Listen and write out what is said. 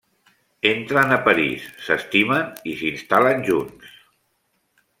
Entren a París, s'estimen i s'instal·len junts.